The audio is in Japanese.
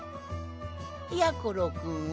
やころくんは？